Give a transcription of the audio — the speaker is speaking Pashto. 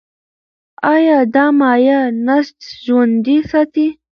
ایا دا مایع نسج ژوندی ساتي؟